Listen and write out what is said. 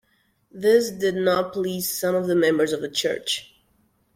This did not please some of the members of the Church.